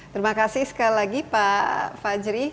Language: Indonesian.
terima kasih sekali lagi pak fajri